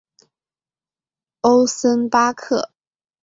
欧森巴克。